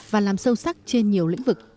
và làm sâu sắc trên nhiều lĩnh vực